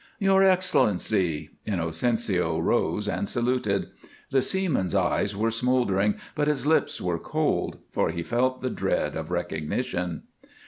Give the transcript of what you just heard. "Your Excellency!" Inocencio rose and saluted. The seaman's eyes were smoldering, but his lips were cold, for he felt the dread of recognition.